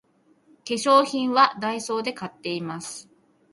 化粧品はダイソーで買っています